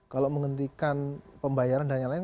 kalau menghentikan pembayaran dan yang lain lain